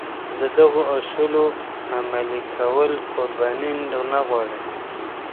د دغو اصولو عملي کول قرباني نه غواړي.